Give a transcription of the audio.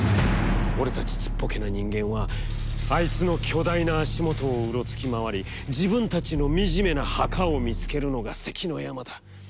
俺たちちっぽけな人間は、あいつの巨大な足もとをうろつきまわり、自分たちのみじめな墓を見つけるのが関の山だ。